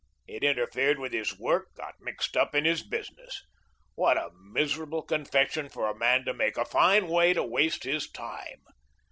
It interfered with his work, got mixed up in his business. What a miserable confession for a man to make; a fine way to waste his time.